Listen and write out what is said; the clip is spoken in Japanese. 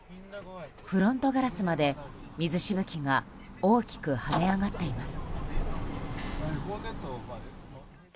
フロントガラスまで水しぶきが大きく跳ね上がっています。